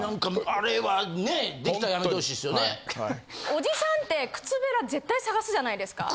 おじさんって靴べら絶対探すじゃないですか。